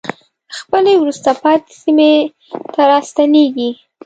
خپلې وروسته پاتې سیمې ته راستنېږي.